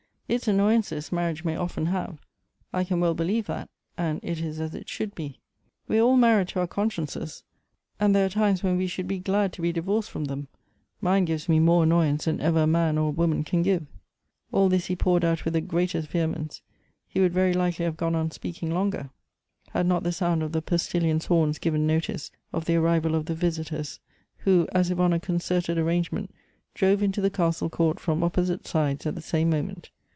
" Its annoyances marriage may often have ; I can well believe that, and it is as it should be. We are all mar ried to our consciences, and there are times when we should be glad to be divorced from them ; mine gives me more annoyance than ever a man or a woman can give." All this he poured out with the greatest vehemence : he would very likely have gone on speaking longer, had 84 Goethe's not the sound of the postilions' horns given notice of the arrival of the visitors, who, as if on a concerted arrange ment, drove into the castle court from opposite sides at the same moment.